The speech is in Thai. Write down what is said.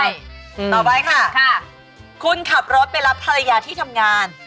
ต่อไปค่ะคุณขับรถไปรับภรรยาที่ทำงาน